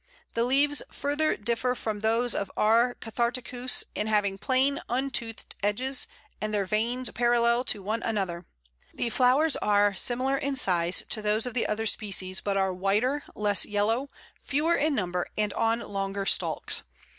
The leaves further differ from those of R. catharticus in having plain, un toothed edges, and their veins parallel one to another. The flowers are similar in size to those of the other species, but are whiter, less yellow, fewer in number, and on longer stalks.